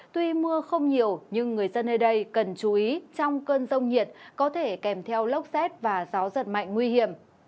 tuy mưa không nhiều nhưng người dân nơi đây cần chú ý trong cơn rông nhiệt có thể kèm theo lốc xét và gió giật mạnh nguy hiểm